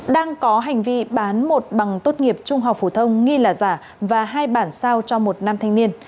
đang có hành vi bán một bằng tốt nghiệp trung học phổ thông nghi là giả và hai bản sao cho một nam thanh niên